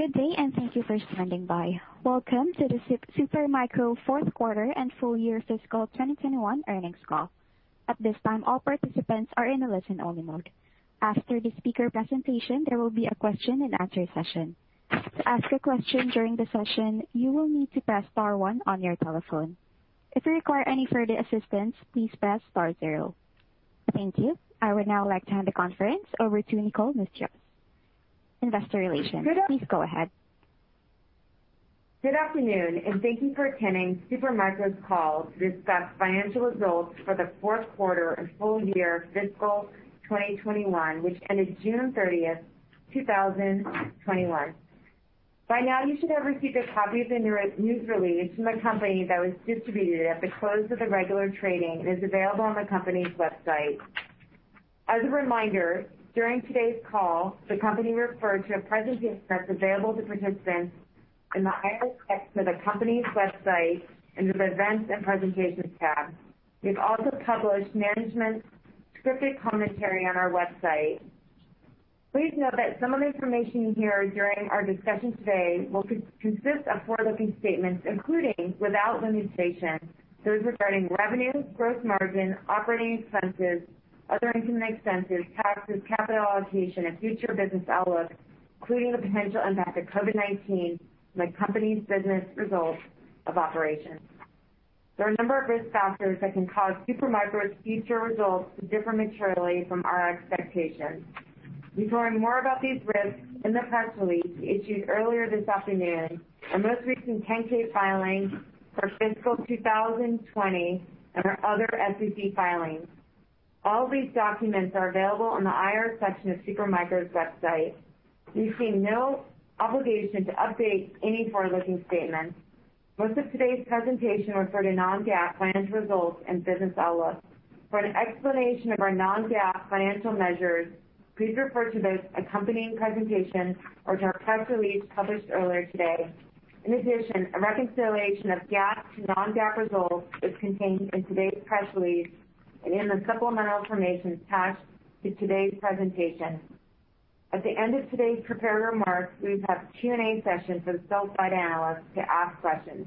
Good day, and thank you for standing by. Welcome to the Supermicro fourth quarter and full year fiscal 2021 earnings call. At this time, all participants are in a listen-only mode. After the speaker presentation, there will be a question and answer session. Ask a question during the session. You will need to press star one on your telephone. If you require any further assistance, please press star zero. Thank you. I would now like to hand the conference over to Nicole Noutsios, Investor Relations. Good a- Please go ahead. Good afternoon, and thank you for attending Supermicro's call to discuss financial results for the fourth quarter and full year fiscal 2021, which ended June 30th, 2021. By now, you should have received a copy of the news release from the company that was distributed at the close of the regular trading and is available on the company's website. As a reminder, during today's call, the company referred to a presentation that's available to participants in the IR section of the company's website under the Events and Presentations tab. We've also published management's scripted commentary on our website. Please note that some of the information you hear during our discussion today will consist of forward-looking statements, including, without limitation, those regarding revenues, gross margin, operating expenses, other income expenses, taxes, capital allocation, and future business outlook, including the potential impact of COVID-19 on the company's business results of operations. There are a number of risk factors that can cause Supermicro's future results to differ materially from our expectations. You can learn more about these risks in the press release issued earlier this afternoon, our most recent 10-K filing for fiscal 2020, and our other SEC filings. All these documents are available on the IR section of Supermicro's website. We assume no obligation to update any forward-looking statements. Most of today's presentation refer to non-GAAP financial results and business outlook. For an explanation of our non-GAAP financial measures, please refer to the accompanying presentation or to our press release published earlier today. In addition, a reconciliation of GAAP to non-GAAP results is contained in today's press release and in the supplemental information attached to today's presentation. At the end of today's prepared remarks, we'll have a Q&A session for the sell side analysts to ask questions.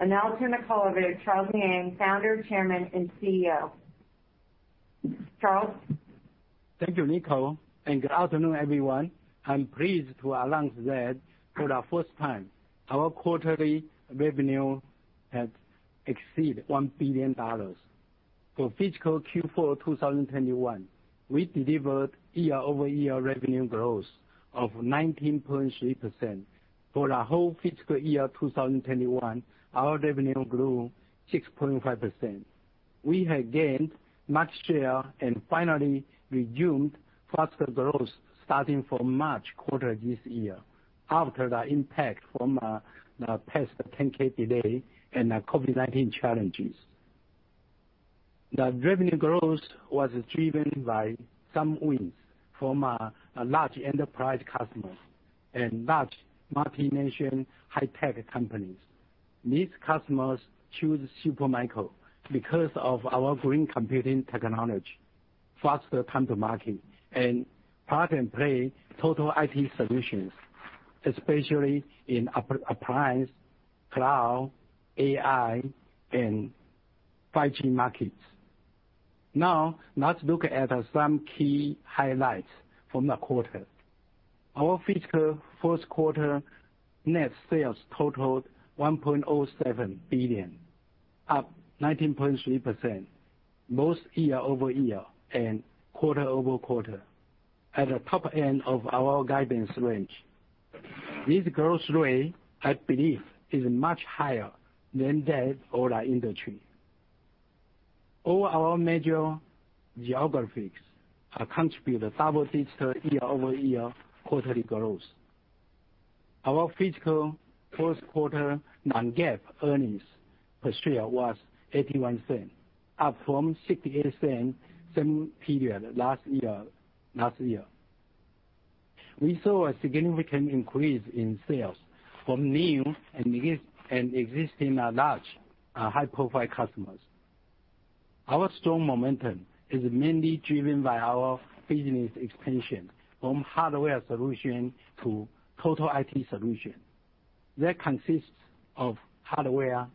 I'll now turn the call over to Charles Liang, Founder, Chairman, and Chief Executive Officer. Charles? Thank you, Nicole, and good afternoon, everyone. I'm pleased to announce that for the first time, our quarterly revenue has exceeded $1 billion. For fiscal Q4 2021, we delivered year-over-year revenue growth of 19.3%. For the whole fiscal year 2021, our revenue grew 6.5%. We have gained much share and finally resumed faster growth starting from March quarter this year after the impact from the past 10-K delay and the COVID-19 challenges. The revenue growth was driven by some wins from large enterprise customers and large multi-nation high-tech companies. These customers choose Supermicro because of our green computing technology, faster time to market, and plug and play total IT solutions, especially in appliance, cloud, AI, and 5G markets. Let's look at some key highlights from the quarter. Our fiscal first quarter net sales totaled $1.07 billion, up 19.3%, both year-over-year and quarter-over-quarter, at the top end of our guidance range. This growth rate, I believe, is much higher than that of the industry. All our major geographies contributed double-digit year-over-year quarterly growth. Our fiscal first quarter non-GAAP earnings per share was $0.81, up from $0.68 same period last year. We saw a significant increase in sales from new and existing large high-profile customers. Our strong momentum is mainly driven by our business expansion from hardware solution to total IT solution. That consists of hardware,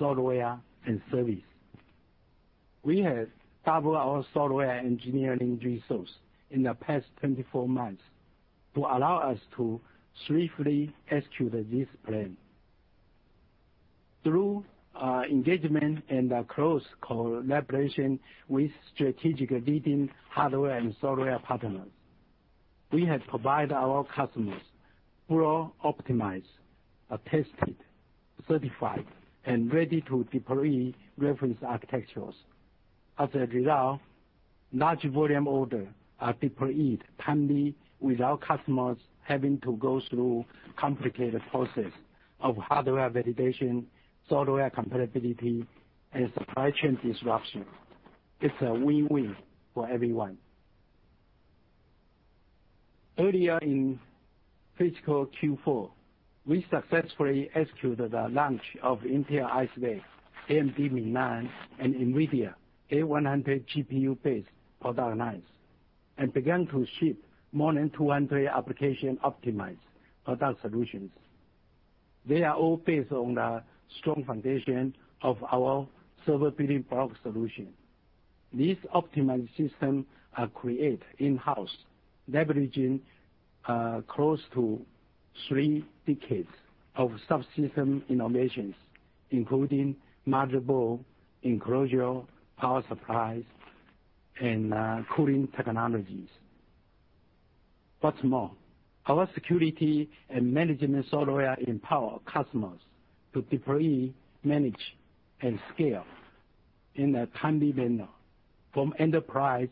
software, and service. We have doubled our software engineering resource in the past 24 months to allow us to swiftly execute this plan. Through engagement and close collaboration with strategic leading hardware and software partners, we have provided our customers full optimized, tested, certified, and ready-to-deploy reference architectures. As a result, large volume orders are deployed timely without customers having to go through complicated process of hardware validation, software compatibility, and supply chain disruption. It's a win-win for everyone. Earlier in fiscal Q4, we successfully executed the launch of Intel Ice Lake, AMD Milan, and NVIDIA A100 GPU-based product lines, and began to ship more than 200 application-optimized product solutions. They are all based on the strong foundation of our server Building Block Solutions. These optimized systems are created in-house, leveraging close to three decades of subsystem innovations, including module, enclosure, power supplies, and cooling technologies. Our security and management software empower customers to deploy, manage, and scale in a timely manner, from enterprise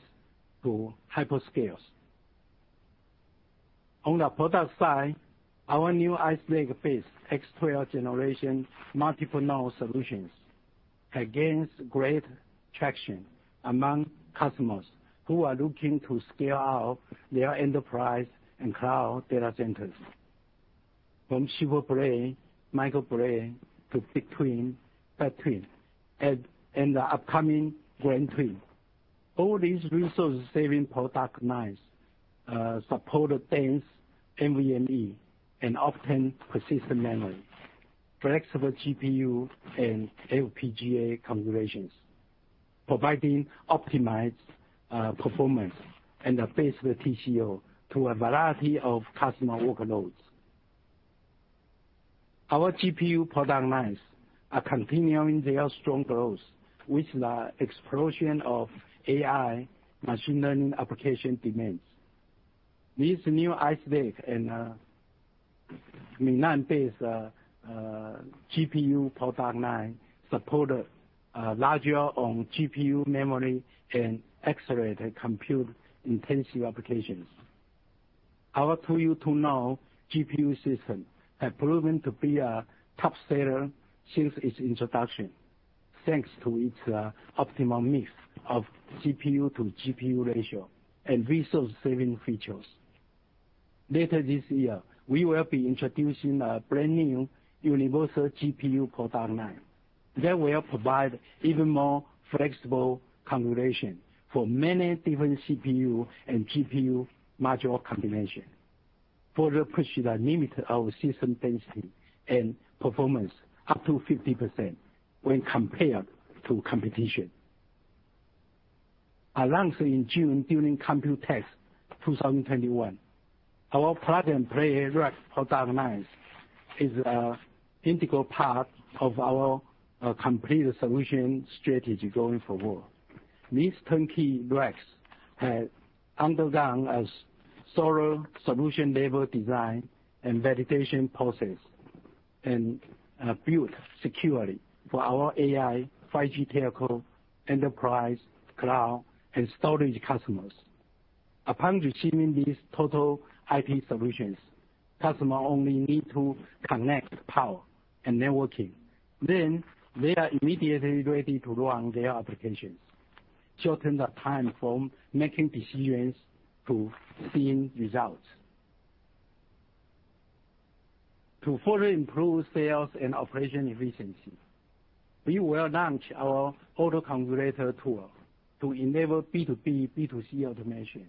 to hyperscalers. On the product side, our new Ice Lake-based X12 generation multiple node solutions gains great traction among customers who are looking to scale out their enterprise and cloud data centers, from SuperBlade, MicroBlade, to BigTwin, FatTwin, and the upcoming GrandTwin. All these resource-saving product lines support dense NVMe and Optane persistent memory, flexible GPU and FPGA configurations, providing optimized performance and a favorable TCO to a variety of customer workloads. Our GPU product lines are continuing their strong growth with the explosion of AI machine learning application demands. These new Ice Lake and Milan-based GPU product line support larger on-GPU memory and accelerated compute-intensive applications. Our 2U 2-node GPU system has proven to be a top seller since its introduction, thanks to its optimal mix of CPU to GPU ratio and resource-saving features. Later this year, we will be introducing a brand-new universal GPU product line that will provide even more flexible configuration for many different CPU and GPU module combinations, further pushing the limit our system density and performance up to 50% when compared to competition. Announced in June during COMPUTEX 2021, our plug and play rack product lines is an integral part of our complete solution strategy going forward. These turnkey racks have undergone a thorough solution-level design and validation process, and are built securely for our AI, 5G telco, enterprise, cloud, and storage customers. Upon receiving these total IT solutions, customer only need to connect power and networking, then they are immediately ready to run their applications, shorten the time from making decisions to seeing results. To further improve sales and operation efficiency, we will launch our auto-configurator tool to enable B2B, B2C automation,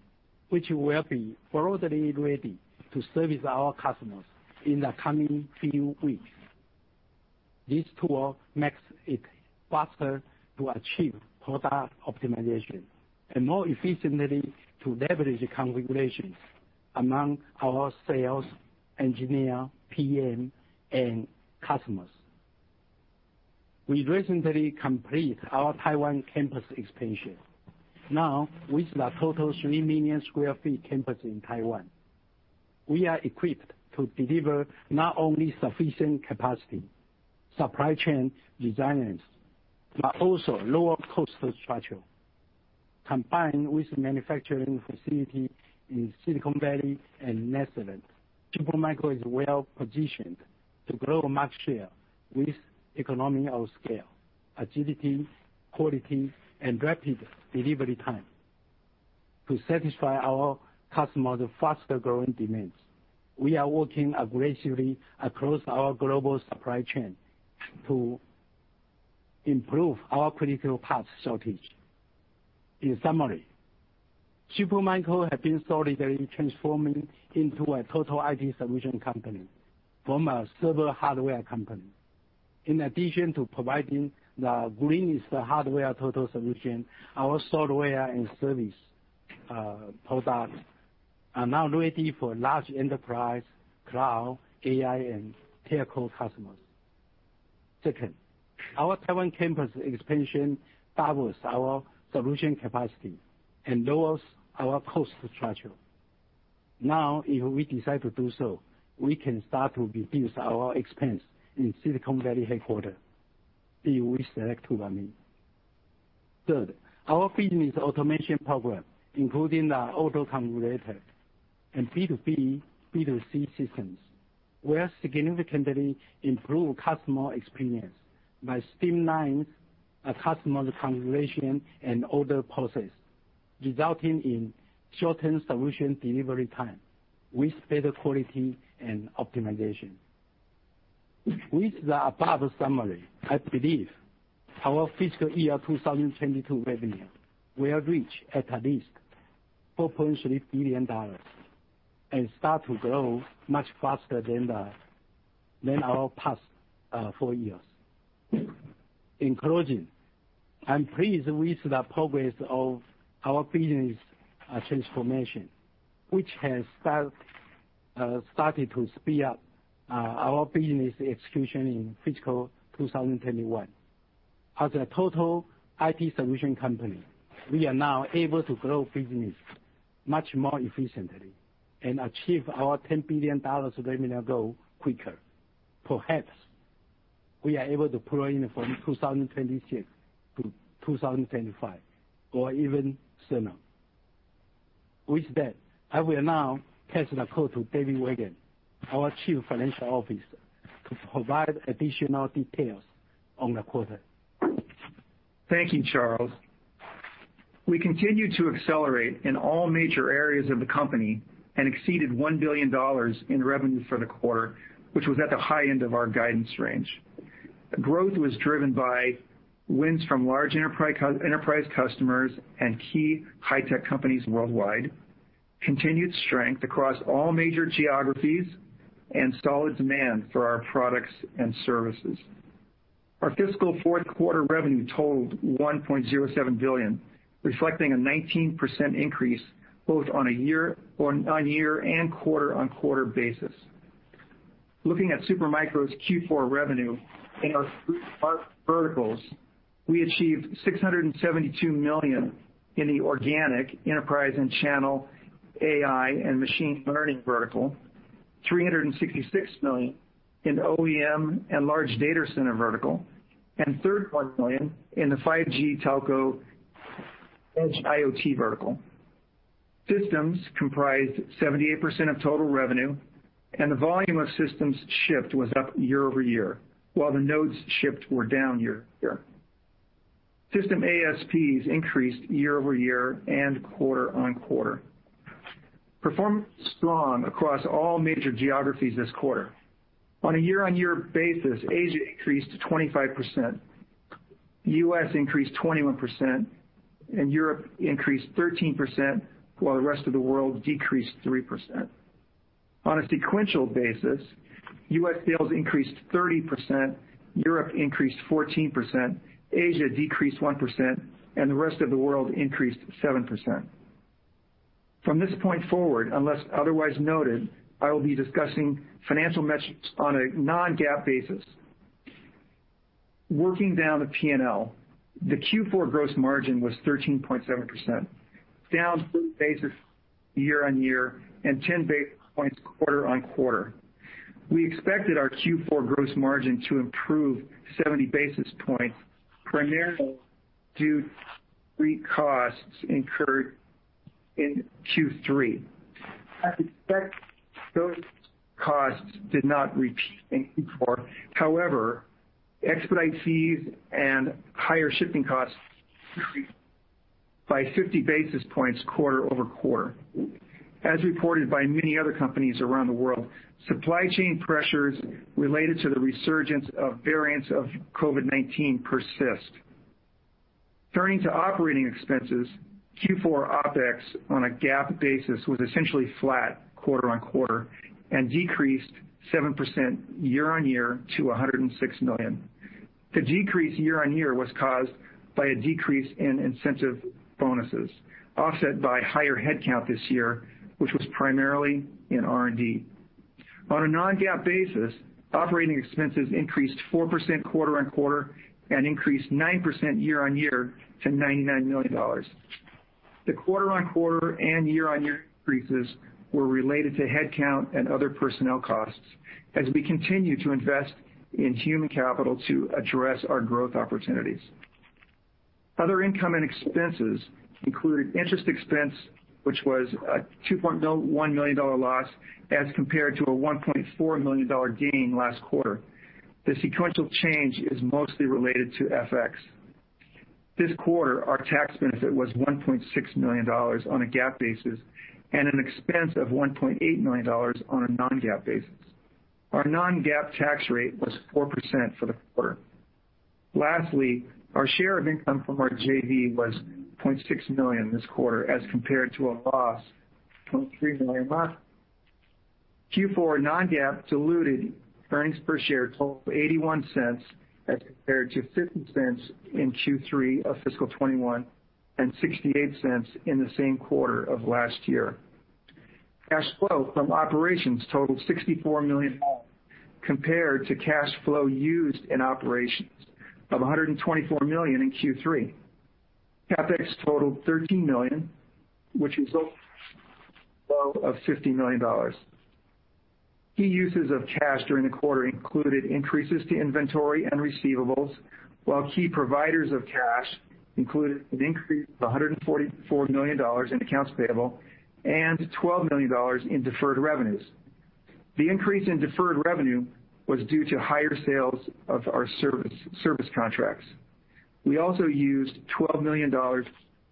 which will be broadly ready to service our customers in the coming few weeks. This tool makes it faster to achieve product optimization, and more efficiently to leverage configurations among our sales, engineer, PM, and customers. We recently complete our Taiwan campus expansion. Now, with the total 3 million sq ft campus in Taiwan, we are equipped to deliver not only sufficient capacity, supply chain resilience, but also lower cost structure. Combined with manufacturing facility in Silicon Valley and Netherlands, Super Micro is well-positioned to grow market share with economy of scale, agility, quality, and rapid delivery time. To satisfy our customers' faster-growing demands, we are working aggressively across our global supply chain to improve our critical parts shortage. In summary, Supermicro has been solidly transforming into a Total IT Solution company from a server hardware company. In addition to providing the greenest hardware total solution, our software and service products are now ready for large enterprise, cloud, AI, and telco customers. Second, our Taiwan campus expansion doubles our solution capacity and lowers our cost structure. If we decide to do so, we can start to reduce our expense in Silicon Valley headquarters if we select to by then. Third, our business automation program, including the auto-configurator and B2B, B2C systems, will significantly improve customer experience by streamlining a customer's configuration and order process, resulting in shortened solution delivery time with better quality and optimization. With the above summary, I believe our fiscal year 2022 revenue will reach at least $4.3 billion and start to grow much faster than our past four years. In closing, I'm pleased with the progress of our business transformation, which has started to speed up our business execution in fiscal 2021. As a total IT solution company, we are now able to grow business much more efficiently and achieve our $10 billion revenue goal quicker. Perhaps we are able to pull in from 2026 to 2025 or even sooner. With that, I will now pass the call to David Weigand, our Chief Financial Officer, to provide additional details on the quarter. Thank you, Charles. We continue to accelerate in all major areas of the company and exceeded $1 billion in revenue for the quarter, which was at the high end of our guidance range. Growth was driven by wins from large enterprise customers and key high-tech companies worldwide, continued strength across all major geographies, and solid demand for our products and services. Our fiscal fourth quarter revenue totaled $1.07 billion, reflecting a 19% increase both on a year-on-year and quarter-on-quarter basis. Looking at Super Micro's Q4 revenue in our three verticals, we achieved $672 million in the organic enterprise and channel AI and machine learning vertical, $366 million in OEM and large data center vertical, and $31 million in the 5G telco edge IoT vertical. Systems comprised 78% of total revenue, and the volume of systems shipped was up year-over-year, while the nodes shipped were down year-over-year. System ASPs increased year-over-year and quarter-on-quarter. Performance was strong across all major geographies this quarter. On a year-on-year basis, Asia increased to 25%, U.S. increased 21%, and Europe increased 13%, while the rest of the world decreased 3%. On a sequential basis, U.S. sales increased 30%, Europe increased 14%, Asia decreased 1%, and the rest of the world increased 7%. From this point forward, unless otherwise noted, I will be discussing financial metrics on a non-GAAP basis. Working down the P&L, the Q4 gross margin was 13.7%, down basis year-on-year and 10 basis points quarter-on-quarter. We expected our Q4 gross margin to improve 70 basis points, primarily due to discrete costs incurred in Q3. As expected, those costs did not repeat in Q4. However, expedite fees and higher shipping costs increased by 50 basis points quarter-over-quarter. As reported by many other companies around the world, supply chain pressures related to the resurgence of variants of COVID-19 persist. Turning to operating expenses, Q4 OpEx on a GAAP basis was essentially flat quarter-on-quarter and decreased 7% year-on-year to $106 million. The decrease year-on-year was caused by a decrease in incentive bonuses, offset by higher headcount this year, which was primarily in R&D. On a non-GAAP basis, operating expenses increased 4% quarter-on-quarter and increased 9% year-on-year to $99 million. The quarter-on-quarter and year-on-year increases were related to headcount and other personnel costs as we continue to invest in human capital to address our growth opportunities. Other income and expenses included interest expense, which was a $2.1 million loss as compared to a $1.4 million gain last quarter. The sequential change is mostly related to FX. This quarter, our tax benefit was $1.6 million on a GAAP basis and an expense of $1.8 million on a non-GAAP basis. Our non-GAAP tax rate was 4% for the quarter. Lastly, our share of income from our JV was $0.6 million this quarter as compared to a loss of $0.3 million last quarter. Q4 non-GAAP diluted earnings per share totaled $0.81 as compared to $0.50 in Q3 of fiscal 2021 and $0.68 in the same quarter of last year. Cash flow from operations totaled $64 million, compared to cash flow used in operations of $124 million in Q3. CapEx totaled $13 million, which is flow of $50 million. Key uses of cash during the quarter included increases to inventory and receivables, while key providers of cash included an increase of $144 million in accounts payable and $12 million in deferred revenues. The increase in deferred revenue was due to higher sales of our service contracts. We also used $12 million to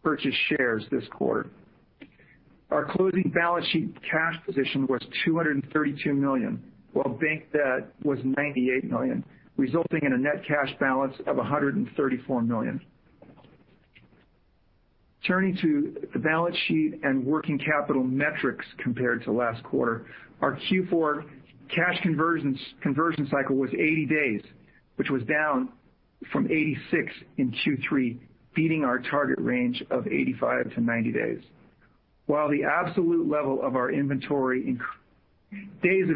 purchase shares this quarter. Our closing balance sheet cash position was $232 million, while bank debt was $98 million, resulting in a net cash balance of $134 million. Turning to the balance sheet and working capital metrics compared to last quarter, our Q4 cash conversion cycle was 80 days, which was down from 86 in Q3, beating our target range of 85-90 days. While the absolute level of our days of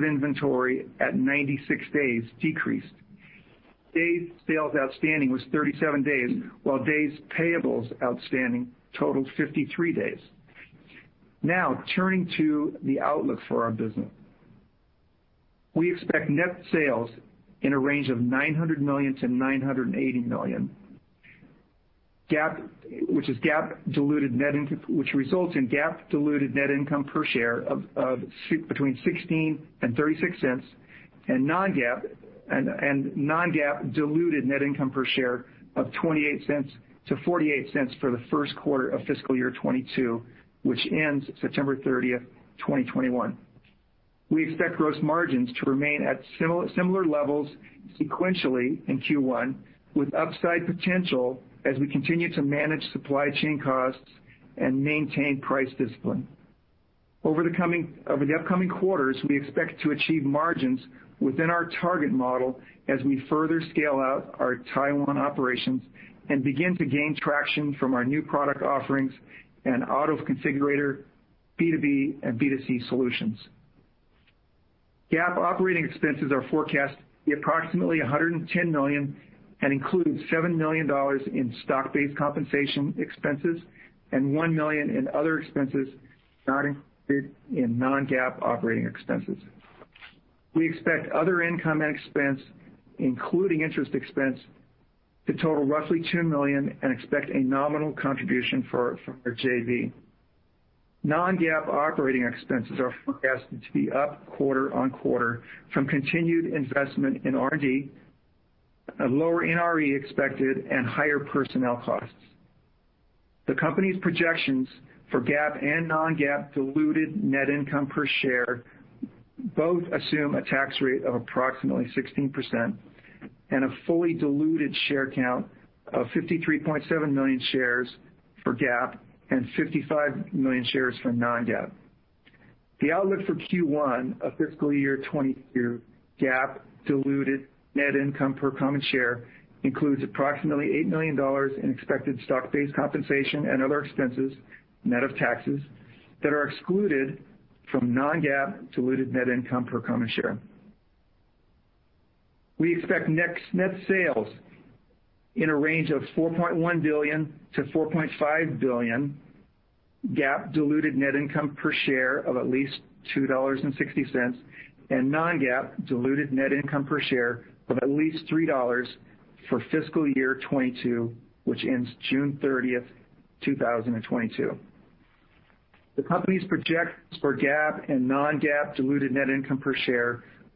inventory at 96 days decreased, days sales outstanding was 37 days, while days payables outstanding totaled 53 days. Now, turning to the outlook for our business. We expect net sales in a range of $900 million-$980 million, which results in GAAP diluted net income per share of between $0.16 and $0.36, and non-GAAP diluted net income per share of $0.28-$0.48 for the first quarter of fiscal year 2022, which ends September 30, 2021. We expect gross margins to remain at similar levels sequentially in Q1, with upside potential as we continue to manage supply chain costs and maintain price discipline. Over the upcoming quarters, we expect to achieve margins within our target model as we further scale out our Taiwan operations and begin to gain traction from our new product offerings and auto configurator B2B and B2C solutions. GAAP operating expenses are forecast to be approximately $110 million, and includes $7 million in stock-based compensation expenses and $1 million in other expenses not included in non-GAAP operating expenses. We expect other income and expense, including interest expense, to total roughly $2 million and expect a nominal contribution from our JV. Non-GAAP operating expenses are forecasted to be up quarter-on-quarter from continued investment in R&D, a lower NRE expected, and higher personnel costs. The company's projections for GAAP and non-GAAP diluted net income per share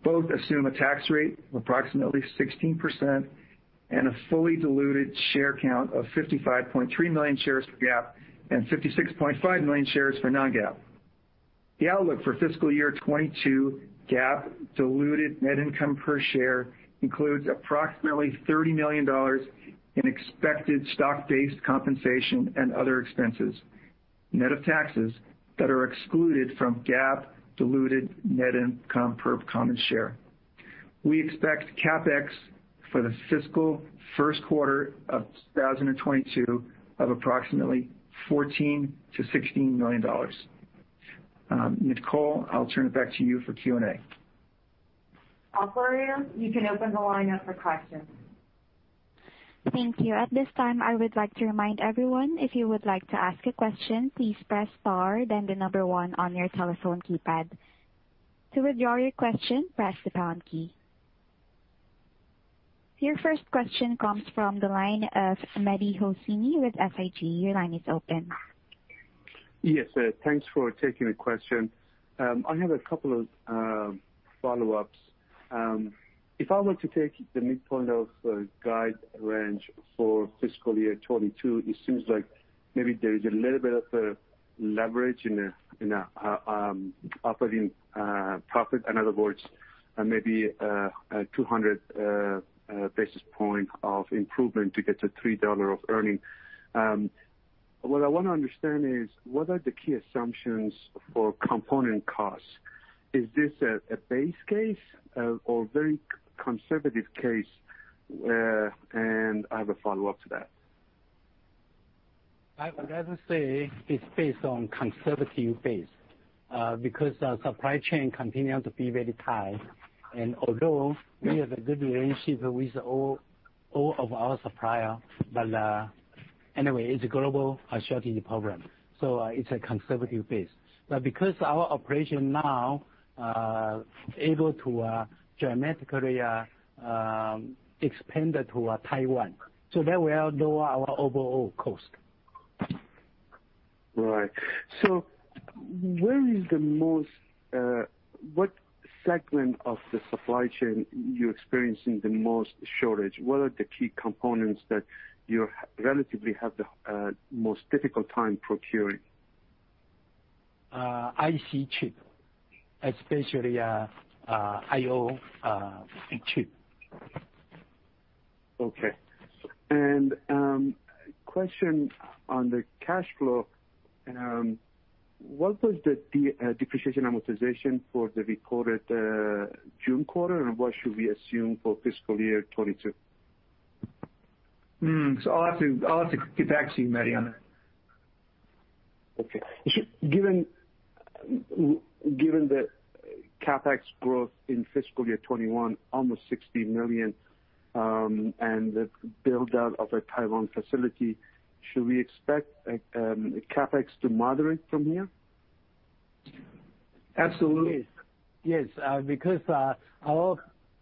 both assume a tax rate of approximately 16% for the fiscal first quarter of 2022 of approximately $14 million to $16 million. Nicole, I'll turn it back to you for Q&A. Operator, you can open the line up for questions. Thank you. At this time, I would like to remind everyone, if you would like to ask a question, please press star then one on your telephone keypad. To withdraw your question, press the pound key. Your first question comes from the line of Mehdi Hosseini with SIG. Your line is open. Yes. Thanks for taking the question. I have a couple of follow-ups. If I were to take the midpoint of the guide range for fiscal year 2022, it seems like maybe there is a little bit of a leverage in the operating profit. In other words, maybe 200 basis points of improvement to get to $3 of earnings. What I want to understand is, what are the key assumptions for component costs? Is this a base case or very conservative case? I have a follow-up to that. I would rather say it's based on conservative base, because our supply chain continue to be very tight, although we have a good relationship with all of our supplier, anyway, it's a global shortage problem, it's a conservative base. Because our operation now able to dramatically expand to Taiwan, that will lower our overall cost. Right. What segment of the supply chain are you experiencing the most shortage? What are the key components that you relatively have the most difficult time procuring? IC chip, especially IO chip. Okay. Question on the cash flow. What was the depreciation amortization for the reported June quarter, and what should we assume for FY 2022? I'll have to get back to you, Mehdi, on that. Okay. Given the CapEx growth in fiscal year 2021, almost $60 million, and the build-out of a Taiwan facility, should we expect CapEx to moderate from here? Absolutely. Yes. Because our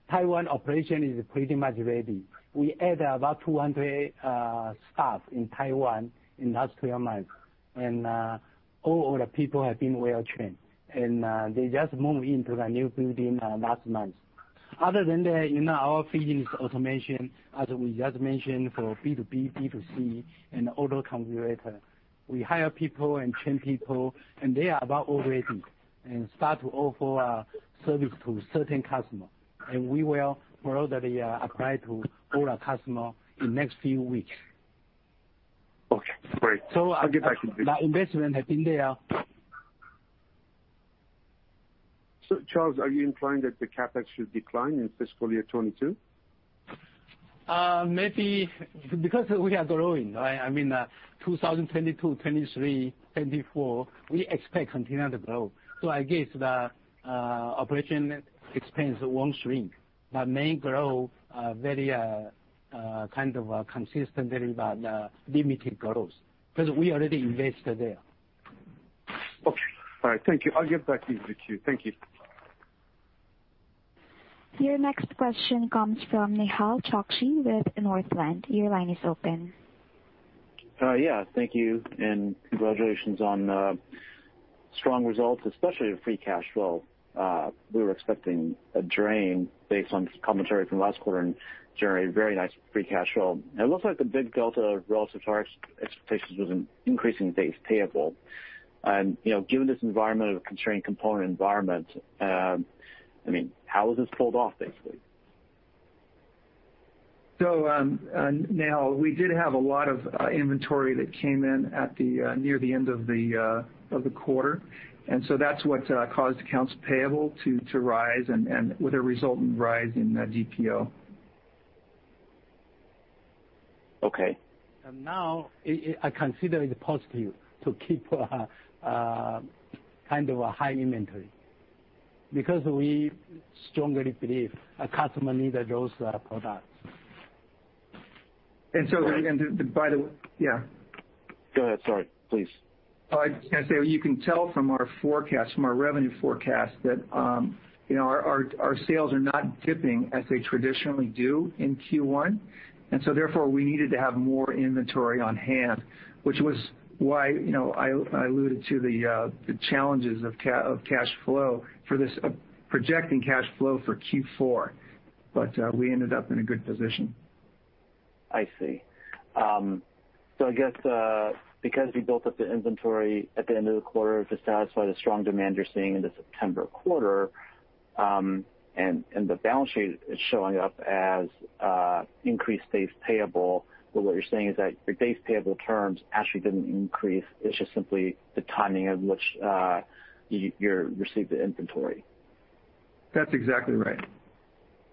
Taiwan operation is pretty much ready. We added about 200 staff in Taiwan in the last 12 months. All of the people have been well-trained. They just moved into the new building last month. Other than that, our business automation, as we just mentioned, for B2B, B2C, and auto configurator, we hire people and train people, and they are about all ready and start to offer our service to certain customers. We will further apply to all our customers in the next few weeks. Okay, great. I'll get back to you. Our investment has been there. Charles, are you implying that the CapEx should decline in fiscal year 2022? Maybe because we are growing. I mean, 2022, 2023, 2024, we expect continued growth. I guess the operating expense won't shrink, but may grow very kind of consistently, but limited growth, because we already invested there. Okay. All right. Thank you. I'll get back to you with queue. Thank you. Your next question comes from Nehal Chokshi with Northland. Your line is open. Yeah. Thank you, and congratulations on strong results, especially the free cash flow. We were expecting a drain based on commentary from last quarter, and generated very nice free cash flow. It looks like the big delta relative to our expectations was in increasing days payable. Given this environment of a constrained component environment, how was this pulled off, basically? Nehal, we did have a lot of inventory that came in near the end of the quarter. That's what caused accounts payable to rise, and with a resultant rise in DPO. Okay. Now I consider it positive to keep kind of a high inventory, because we strongly believe a customer needs those products. And so- Great. by the way Yeah. Go ahead, sorry. Please. I was going to say, you can tell from our revenue forecast that our sales are not dipping as they traditionally do in Q1. Therefore, we needed to have more inventory on hand, which was why I alluded to the challenges of cash flow for this, projecting cash flow for Q4. We ended up in a good position. I see. I guess, because you built up the inventory at the end of the quarter to satisfy the strong demand you're seeing in the September quarter, the balance sheet is showing up as increased days payable. What you're saying is that your days payable terms actually didn't increase, it's just simply the timing in which you received the inventory. That's exactly right.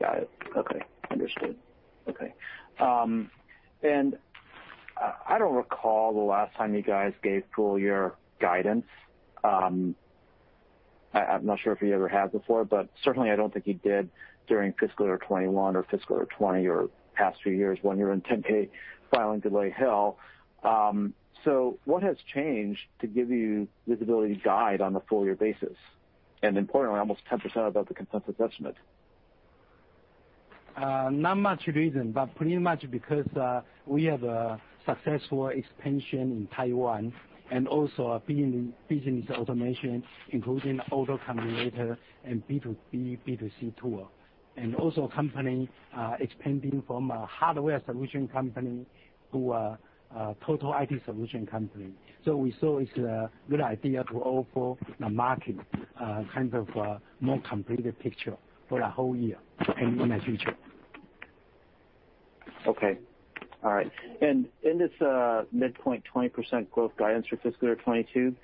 Got it. Okay. Understood. Okay. I don't recall the last time you guys gave full year guidance. I'm not sure if you ever have before, but certainly I don't think you did during fiscal year 2021 or fiscal year 2020 or past few years when you were in 10-K filing delay hell. What has changed to give you visibility to guide on a full year basis, and importantly, almost 10% above the consensus estimate? Not much reason, but pretty much because we have a successful expansion in Taiwan and also our business automation, including auto configurator and B2B, B2C tool. Also company expanding from a hardware solution company to a total IT solution company. We saw it's a good idea to offer the market kind of a more completed picture for the whole year and in the future. Okay. All right. In this midpoint, 20% growth guidance for fiscal year 2022,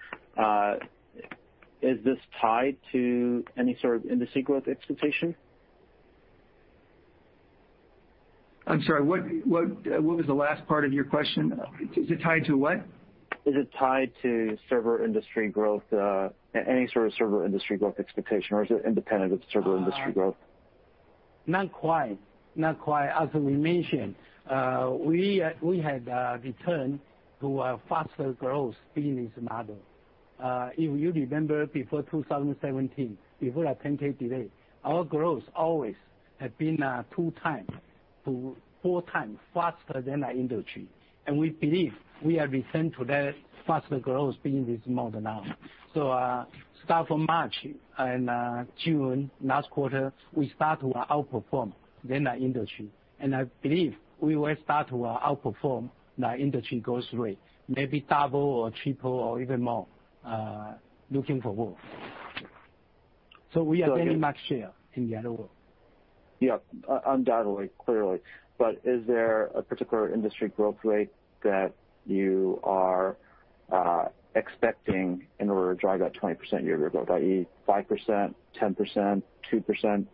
is this tied to any sort of industry growth expectation? I'm sorry, what was the last part of your question? Is it tied to what? Is it tied to server industry growth, any sort of server industry growth expectation, or is it independent of server industry growth? Not quite. As we mentioned, we had returned to a faster growth business model. If you remember, before 2017, before our 10-K delay, our growth always had been 2x-4x faster than the industry. We believe we have returned to that faster growth being this model now. Start from March and June last quarter, we start to outperform the industry. I believe we will start to outperform the industry growth rate, maybe double or triple or even more, looking for more. We are gaining- So- market share in the other world. Yeah. Undoubtedly, clearly. Is there a particular industry growth rate that you are expecting in order to drive that 20% year-over-year growth, i.e., 5%, 10%, 2%?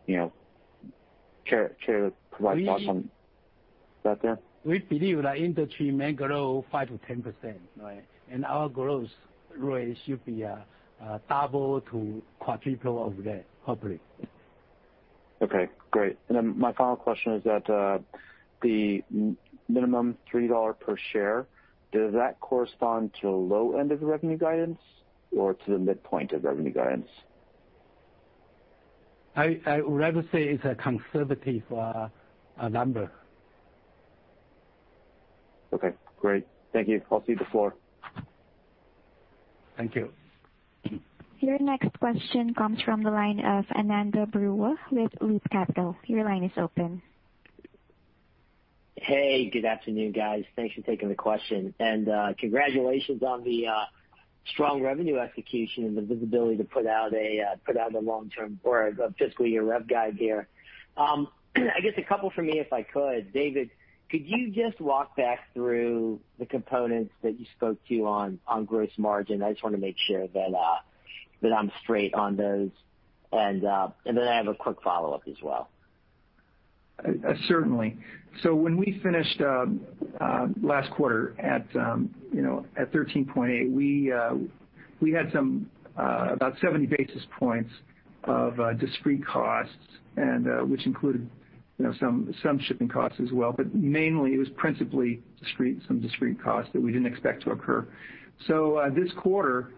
Care to provide thoughts on that then? We believe the industry may grow 5%-10%, right? Our growth rate should be double to quadruple of that, hopefully. Okay, great. My final question is that the minimum $3 per share, does that correspond to the low end of the revenue guidance or to the midpoint of revenue guidance? I would rather say it's a conservative number. Okay, great. Thank you. I'll cede the floor. Thank you. Your next question comes from the line of Ananda Baruah with Loop Capital. Your line is open. Hey, good afternoon, guys. Thanks for taking the question. Congratulations on the strong revenue execution and the visibility to put out a long-term or a fiscal year rev guide here. I guess a couple from me, if I could. David, could you just walk back through the components that you spoke to on gross margin? I just want to make sure that I'm straight on those. Then I have a quick follow-up as well. Certainly. When we finished last quarter at 13.8%, we had about 70 basis points of discrete costs, which included some shipping costs as well. Mainly, it was principally some discrete costs that we didn't expect to occur. This quarter,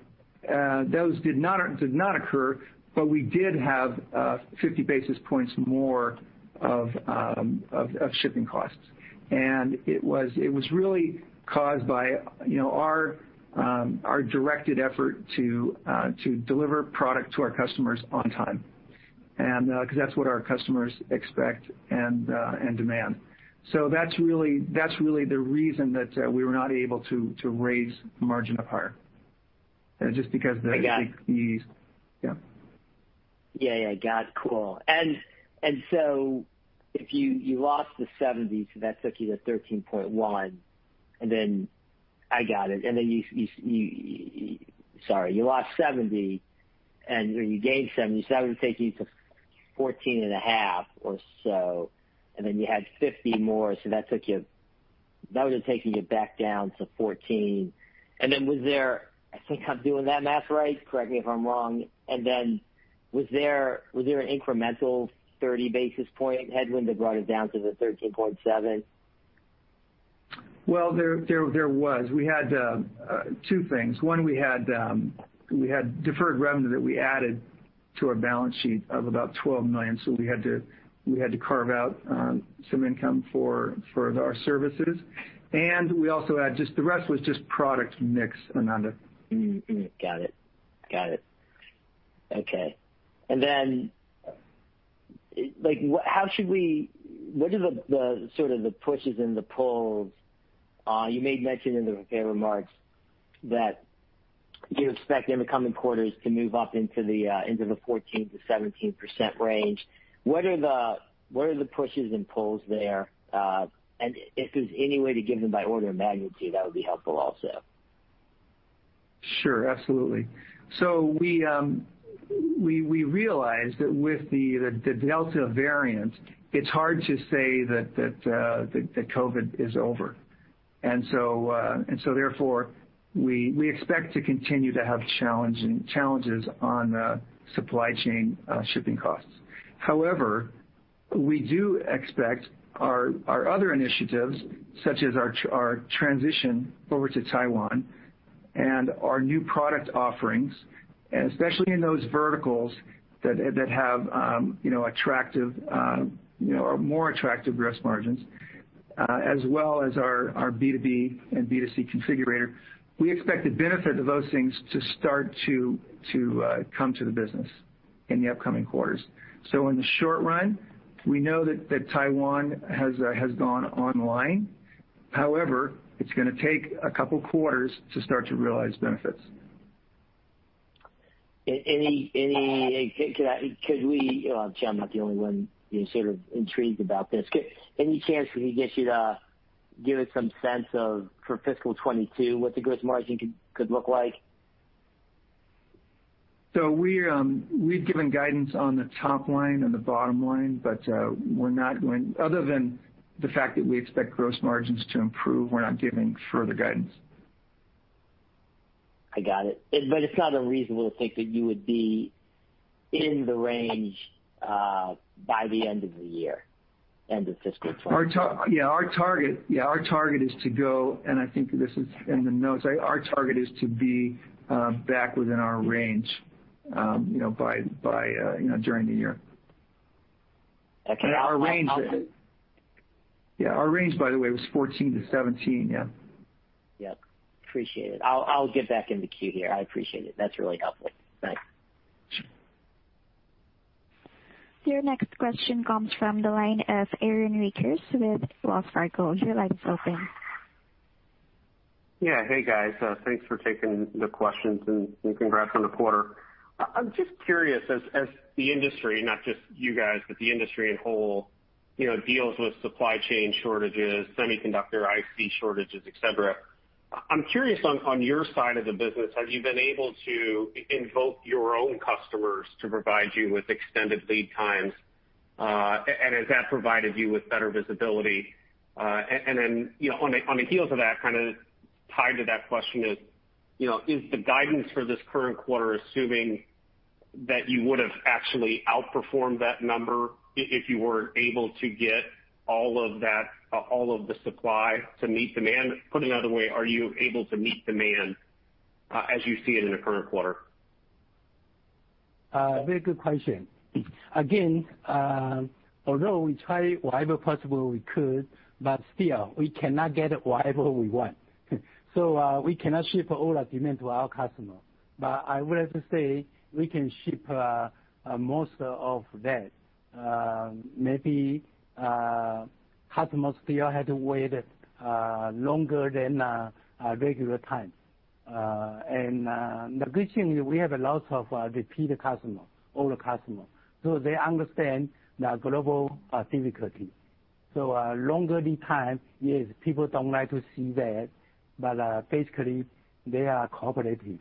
those did not occur, but we did have 50 basis points more of shipping costs. It was really caused by our directed effort to deliver product to our customers on time, because that's what our customers expect and demand. That's really the reason that we were not able to raise the margin up higher. I got it. these. Yeah. Yeah. I got it. Cool. If you lost the 70, so that took you to 13.1. I got it. Sorry. You lost 70, you gained 70, so that would take you to 14.5 or so. You had 50 more, so that would've taken you back down to 14. I think I'm doing that math right. Correct me if I'm wrong. Was there an incremental 30 basis point headwind that brought it down to the 13.7? Well, there was. We had two things. One, we had deferred revenue that we added to our balance sheet of about $12 million. We had to carve out some income for our services. The rest was just product mix, Ananda. Got it. Okay. What are the sort of the pushes and the pulls? You made mention in the remarks that you expect in the coming quarters to move up into the 14%-17% range. What are the pushes and pulls there? If there's any way to give them by order of magnitude, that would be helpful also. We realized that with the Delta variant, it's hard to say that COVID is over. Therefore, we expect to continue to have challenges on the supply chain shipping costs. However, we do expect our other initiatives, such as our transition over to Taiwan and our new product offerings, especially in those verticals that have more attractive gross margins, as well as our B2B and B2C configurator. We expect the benefit of those things to start to come to the business in the upcoming quarters. In the short run, we know that Taiwan has gone online. However, it's going to take a couple quarters to start to realize benefits. I'm sure I'm not the only one being sort of intrigued about this. Any chance can we get you to give us some sense of, for fiscal 2022, what the gross margin could look like? We've given guidance on the top line and the bottom line, but other than the fact that we expect gross margins to improve, we're not giving further guidance. I got it. It's not unreasonable to think that you would be in the range by the end of the year, end of fiscal 2022. Yeah. Our target is to go, and I think this is in the notes, our target is to be back within our range. By during the year. Okay. Our range, by the way, was 14 to 17, yeah. Yeah. Appreciate it. I'll get back in the queue here. I appreciate it. That's really helpful. Bye. Your next question comes from the line of Aaron Rakers with Wells Fargo. Your line is open. Yeah. Hey, guys. Thanks for taking the questions, and congrats on the quarter. I'm just curious as the industry, not just you guys, but the industry in whole, deals with supply chain shortages, semiconductor IC shortages, et cetera. I'm curious on your side of the business, have you been able to invoke your own customers to provide you with extended lead times? Has that provided you with better visibility? On the heels of that, tied to that question is the guidance for this current quarter assuming that you would've actually outperformed that number if you were able to get all of the supply to meet demand? Put another way, are you able to meet demand, as you see it in the current quarter? Very good question. Although we try whatever possible we could. Still, we cannot get whatever we want. We cannot ship all the demand to our customer. I would like to say, we can ship most of that. Maybe customers still had to wait longer than regular time. The good thing is we have lots of repeat customer, old customer. They understand the global difficulty. Longer lead time, yes, people don't like to see that. Basically, they are cooperative.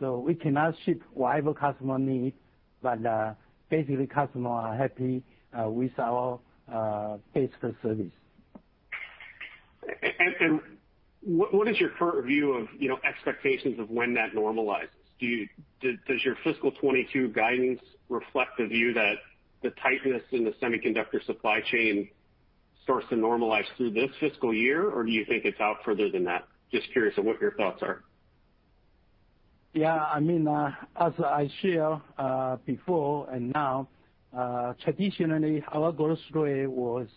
We cannot ship whatever customer need. Basically, customer are happy with our basic service. What is your current view of expectations of when that normalizes? Does your fiscal 2022 guidance reflect the view that the tightness in the semiconductor supply chain starts to normalize through this fiscal year, or do you think it's out further than that? Just curious of what your thoughts are. Yeah. As I share before and now, traditionally our growth rate was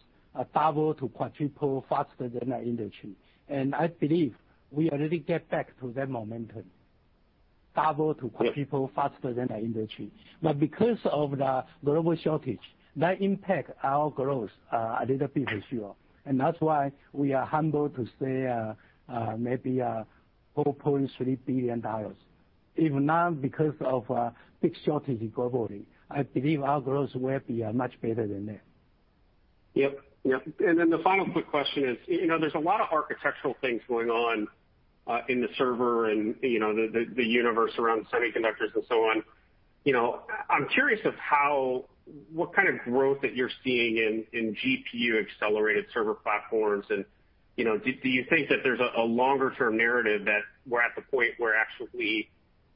double to quadruple faster than the industry. I believe we already get back to that momentum, double to quadruple faster than the industry. Because of the global shortage, that impact our growth a little bit for sure. That's why we are humble to say maybe $4.3 billion. If not because of big shortage globally, I believe our growth will be much better than that. Yep. The final quick question is, there's a lot of architectural things going on in the server and the universe around semiconductors and so on. I'm curious of what kind of growth that you're seeing in GPU-accelerated server platforms, and do you think that there's a longer term narrative that we're at the point where actually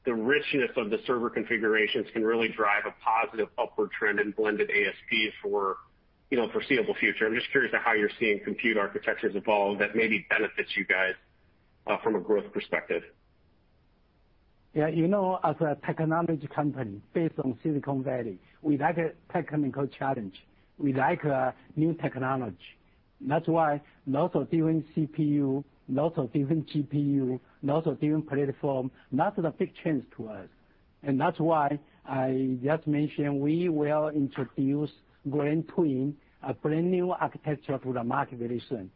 the richness of the server configurations can really drive a positive upward trend in blended ASP for foreseeable future? I'm just curious to how you're seeing compute architectures evolve that maybe benefits you guys from a growth perspective. Yeah. As a technology company based in Silicon Valley, we like a technical challenge. We like new technology. That's why lots of different CPU, lots of different GPU, lots of different platform, that's a big change to us. That's why I just mentioned we will introduce GrandTwin, a brand new architecture to the market very soon.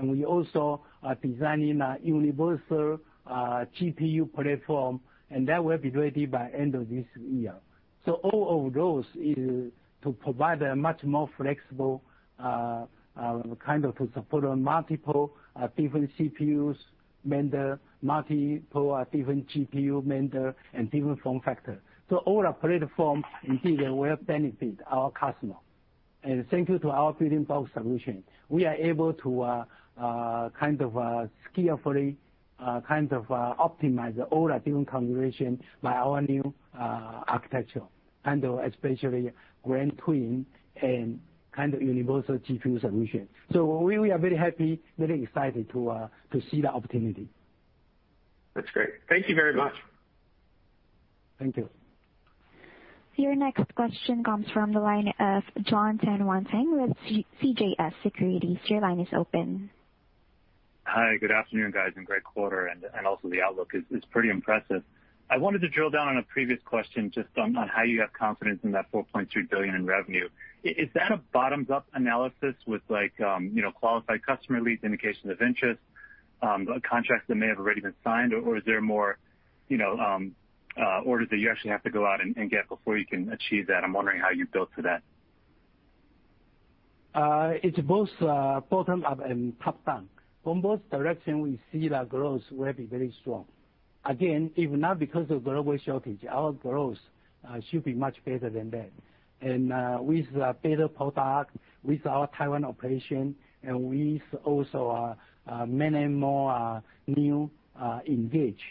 We also are designing a universal GPU platform, and that will be ready by end of this year. All of those is to provide a much more flexible to support on multiple different CPUs vendor, multiple different GPU vendor, and different form factor. All our platform in here will benefit our customer. Thank you to our Building Block Solutions. We are able to skillfully optimize all our different configuration by our new architecture, and especially GrandTwin and universal GPU solution. We are very happy, very excited to see the opportunity. That's great. Thank you very much. Thank you. Your next question comes from the line of Jon Tanwanteng with CJS Securities. Your line is open. Hi. Good afternoon, guys, and great quarter, and also the outlook is pretty impressive. I wanted to drill down on one previous question just on how you have confidence in that $4.3 billion in revenue. Is that a bottoms-up analysis with qualified customer leads, indications of interest, contracts that may have already been signed, or is there more orders that you actually have to go out and get before you can achieve that? I'm wondering how you built to that. It's both bottom up and top down. From both directions, we see the growth will be very strong. If not because of global shortage, our growth should be much better than that. With better products, with our Taiwan operation, and with also many more new engaged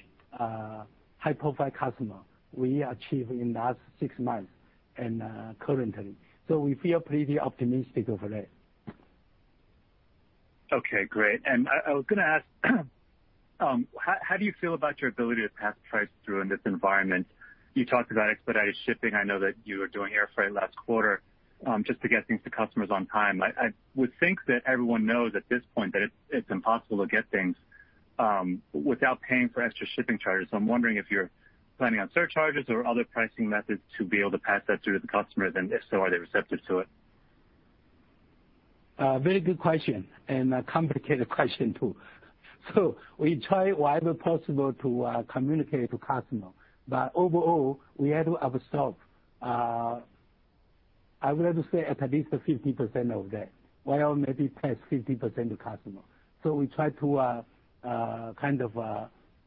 high-profile customers we achieve in the last six months and currently. We feel pretty optimistic over that. Okay, great. I was going to ask, how do you feel about your ability to pass price through in this environment? You talked about expedited shipping. I know that you were doing air freight last quarter just to get things to customers on time. I would think that everyone knows at this point that it's impossible to get things without paying for extra shipping charges. I'm wondering if you're planning on surcharges or other pricing methods to be able to pass that through to the customer, then if so, are they receptive to it? Very good question, and a complicated question, too. We try, wherever possible, to communicate to customer. Overall, we had to absorb, I would have to say, at least 50% of that. Well, maybe past 50% to customer. We try to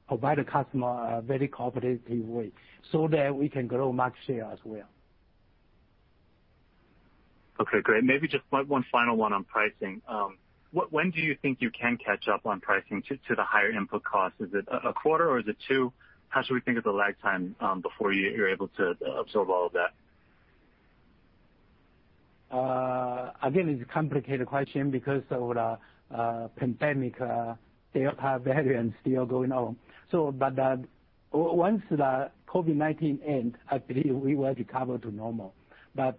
provide a customer a very competitive way, so that we can grow market share as well. Okay, great. Maybe just 1 final one on pricing. When do you think you can catch up on pricing to the higher input cost? Is it a quarter or is it two? How should we think of the lag time before you are able to absorb all of that? It's a complicated question because of the pandemic Delta variant still going on. Once the COVID-19 end, I believe we will recover to normal.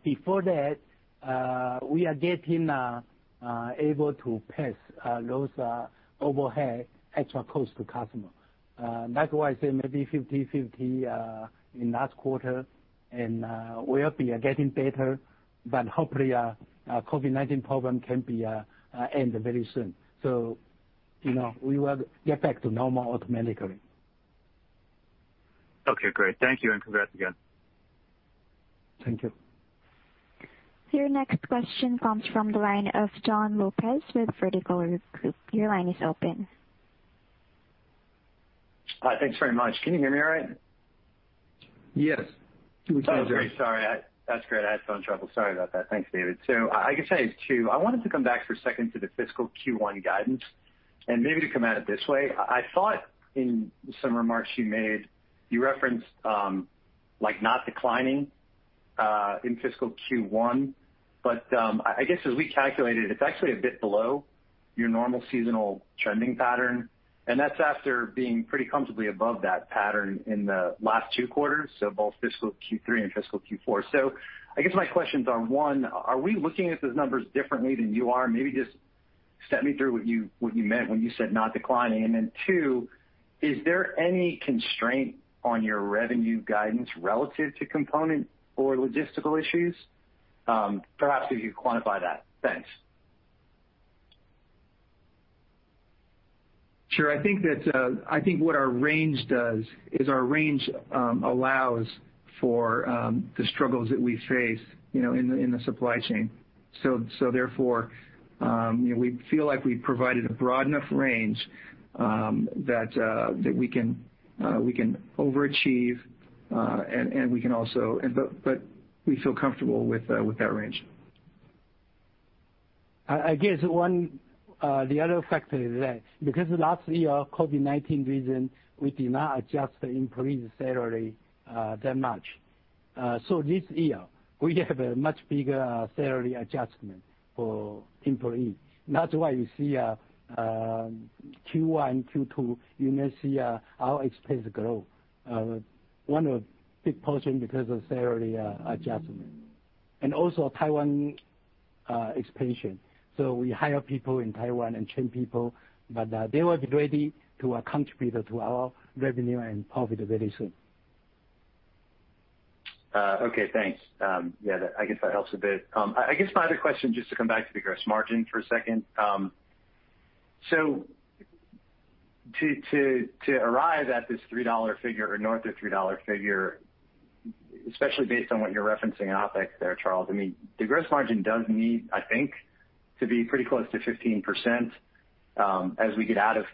Before that, we are getting able to pass those overhead extra cost to customer. That's why I say maybe 50/50 in last quarter, and we'll be getting better. Hopefully COVID-19 problem can end very soon. We will get back to normal automatically. Okay, great. Thank you, and congrats again. Thank you. Your next question comes from the line of Jon Lopez with Vertical Group. Your line is open. Thanks very much. Can you hear me all right? Yes. We can hear you. Oh, great. Sorry. That's great. I had phone trouble. Sorry about that. Thanks, David. I guess I have two. I wanted to come back for a second to the fiscal Q1 guidance, and maybe to come at it this way. I thought in some remarks you made, you referenced not declining in fiscal Q1, but I guess as we calculated, it's actually a bit below your normal seasonal trending pattern, and that's after being pretty comfortably above that pattern in the last two quarters, so both fiscal Q3 and fiscal Q4. I guess my questions are, 1, are we looking at those numbers differently than you are? Maybe just step me through what you meant when you said not declining. Then two, is there any constraint on your revenue guidance relative to component or logistical issues? Perhaps if you could quantify that. Thanks. Sure. I think what our range does is our range allows for the struggles that we face in the supply chain. Therefore, we feel like we provided a broad enough range that we can overachieve, but we feel comfortable with that range. I guess the other factor is that because last year, COVID-19 reason, we did not adjust the employee's salary that much. This year, we have a much bigger salary adjustment for employee. That's why you see Q1, Q2, you may see our expense grow. One of big portion because of salary adjustment. Also Taiwan expansion. We hire people in Taiwan and train people, but they will be ready to contribute to our revenue and profit very soon. Okay, thanks. Yeah, I guess that helps a bit. I guess my other question, just to come back to the gross margin for a second. To arrive at this $3 figure or north of $3 figure, especially based on what you're referencing in OpEx there, Charles, the gross margin does need, I think, to be pretty close to 15% as we get out of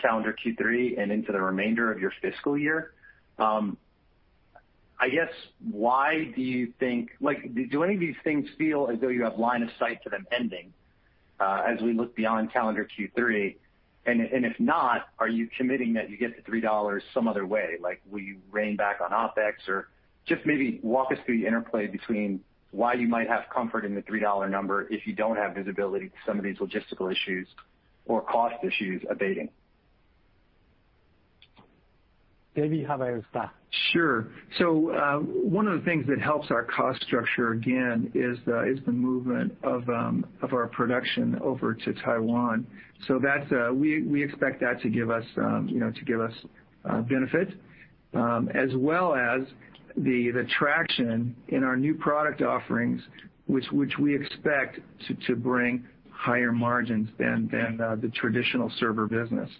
calendar Q3 and into the remainder of your fiscal year. I guess, do any of these things feel as though you have line of sight to them ending as we look beyond calendar Q3? If not, are you committing that you get to $3 some other way? Will you rein back on OpEx? Just maybe walk us through the interplay between why you might have comfort in the $3 number if you don't have visibility to some of these logistical issues or cost issues abating. David, how about that? Sure. One of the things that helps our cost structure, again, is the movement of our production over to Taiwan. We expect that to give us benefit, as well as the traction in our new product offerings, which we expect to bring higher margins than the traditional server business.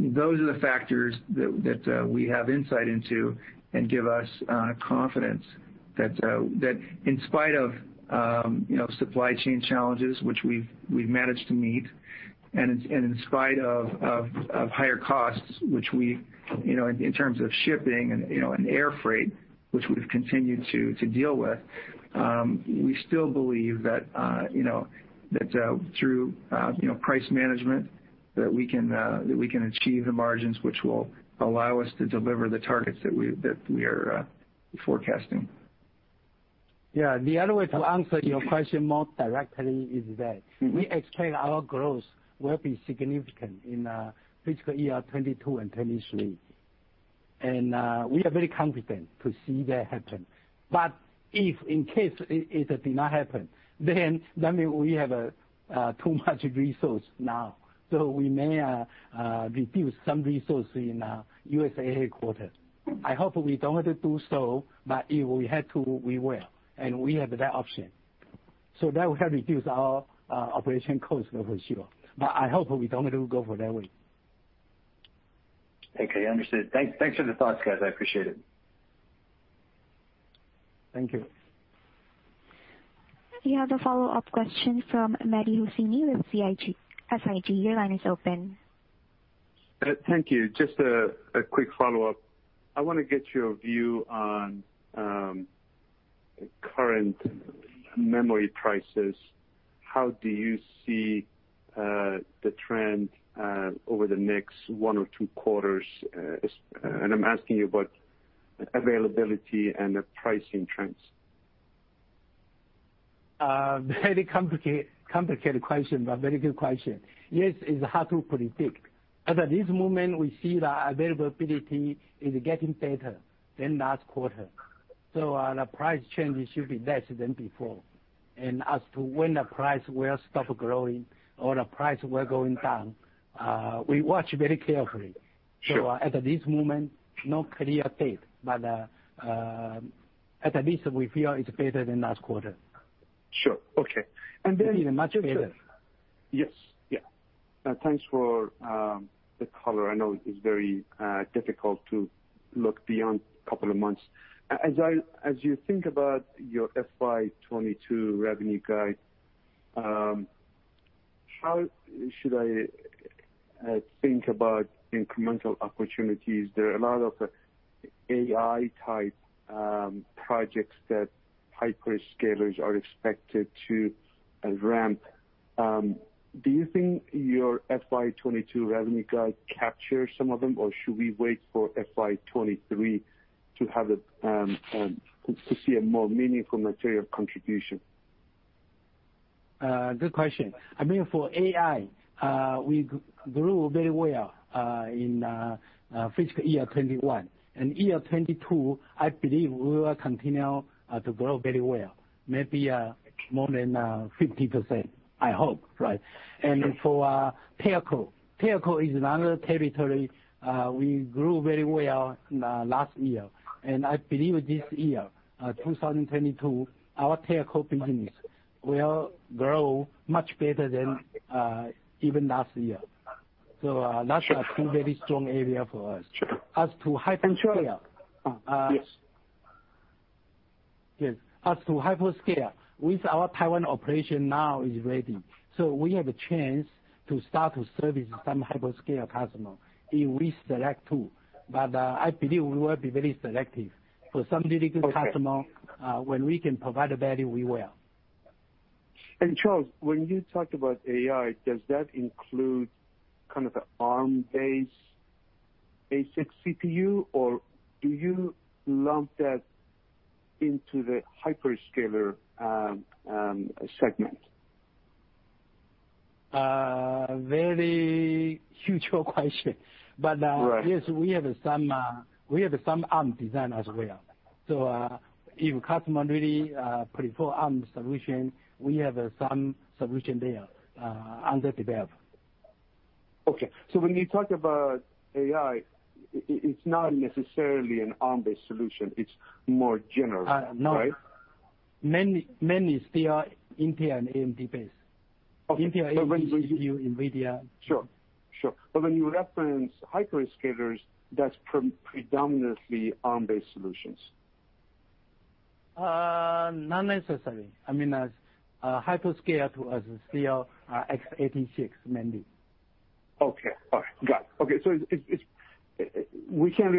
Those are the factors that we have insight into and give us confidence that in spite of supply chain challenges, which we've managed to meet, and in spite of higher costs, in terms of shipping and air freight, which we've continued to deal with, we still believe that through price management, that we can achieve the margins which will allow us to deliver the targets that we are forecasting. The other way to answer your question more directly is that we expect our growth will be significant in fiscal year 2022 and 2023. We are very confident to see that happen. If in case it did not happen, then that means we have too much resource now, so we may reduce some resource in USA headquarters. I hope we don't do so, but if we have to, we will, and we have that option. That will help reduce our operation cost for sure. I hope we don't go for that way. Okay, understood. Thanks for the thoughts, guys. I appreciate it. Thank you. You have a follow-up question from Mehdi Hosseini with SIG. Your line is open. Thank you. Just a quick follow-up. I want to get your view on current memory prices. How do you see the trend over the next one or two quarters? I'm asking you about availability and the pricing trends. A very complicated question, but very good question. Yes, it's hard to predict. At this moment, we see the availability is getting better than last quarter. The price changes should be less than before. As to when the price will stop growing or the price will going down, we watch very carefully. Sure. At this moment, no clear date, but at least we feel it's better than last quarter. Sure. Okay. Very much better. Yes. Yeah. Thanks for the color. I know it is very difficult to look beyond a couple of months. As you think about your FY 2022 revenue guide, how should I think about incremental opportunities? There are a lot of AI-type projects that hyperscalers are expected to ramp. Do you think your FY 2022 revenue guide captures some of them, or should we wait for FY 2023 to see a more meaningful material contribution? Good question. I mean, for AI, we grew very well in fiscal year 2021. In year 2022, I believe we will continue to grow very well, maybe more than 50%, I hope. Right. For telco is another territory. We grew very well last year, and I believe this year, 2022, our telco business will grow much better than even last year. That's two very strong areas for us. Sure. As to hyperscale. Yes. Yes. As to hyperscale, with our Taiwan operation now is ready. We have a chance to start to service some hyperscale customer if we select to. I believe we will be very selective. For some very good customer, when we can provide value, we will. Charles, when you talk about AI, does that include kind of the Arm-based ASIC CPU, or do you lump that into the hyperscaler segment? A very huge question. Right. Yes, we have some Arm design as well. If a customer really prefer Arm solution, we have some solution there under development. Okay. When you talk about AI, it's not necessarily an Arm-based solution. It's more general. No. Right? Many still Intel and AMD-based. Intel, AMD, GPU, NVIDIA. Sure. When you reference hyperscalers, that's predominantly Arm-based solutions? Not necessarily. I mean, hyperscaler still 86 mainly. Okay. All right. Got it. Okay. We can't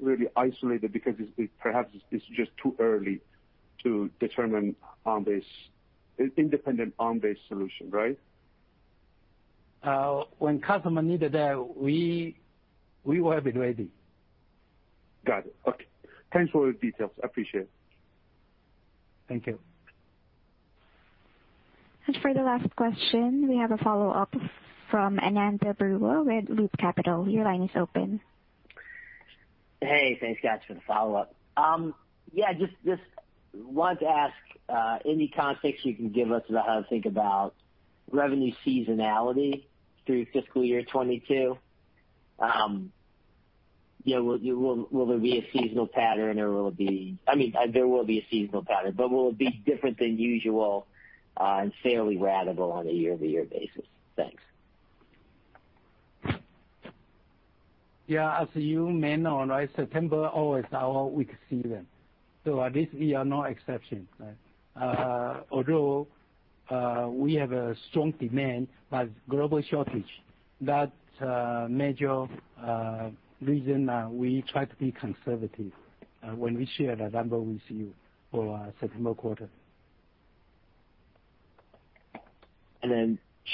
really isolate it because perhaps it's just too early to determine independent Arm-based solution, right? When customer need that, we will be ready. Got it. Okay. Thanks for all the details. I appreciate it. Thank you. For the last question, we have a follow-up from Ananda Baruah with Loop Capital. Your line is open. Hey, thanks, guys, for the follow-up. Yeah, just wanted to ask any context you can give us about how to think about revenue seasonality through fiscal year 2022. Will there be a seasonal pattern or will it be, I mean, there will be a seasonal pattern, but will it be different than usual and fairly ratable on a year-over-year basis? Thanks. Yeah. As you may know, right, September always our weak season. This year, no exception. Right? Although, we have a strong demand, but global shortage. That's major reason we try to be conservative when we share the number with you for September quarter.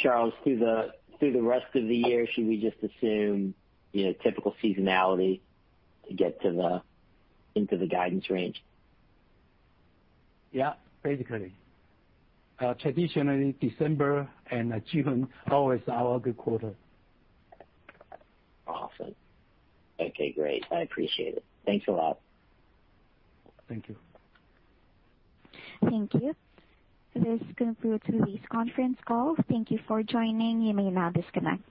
Charles, through the rest of the year, should we just assume typical seasonality to get into the guidance range? Yeah. Basically. Traditionally, December and June, always our good quarter. Awesome. Okay, great. I appreciate it. Thanks a lot. Thank you. Thank you. This concludes today's conference call. Thank you for joining. You may now disconnect.